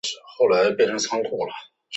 谢西厄人口变化图示